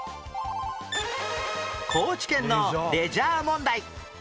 高知県のレジャー問題